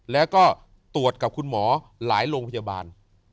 แล้วก็ตรวจกับคุณหมอหลายโรงพยาบาล